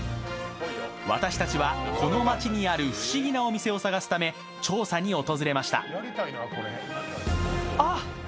私たちはこの街にある不思議なお店を探すため、調査に訪れました。